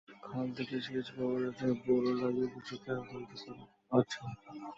খাল থেকে সেচ পাওয়ার আশায় বোরো লাগিয়ে কৃষকেরা এখন বিপাকে আছেন।